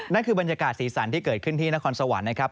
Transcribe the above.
นั่นคือบรรยากาศสีสันที่เกิดขึ้นที่นครสวรรค์นะครับ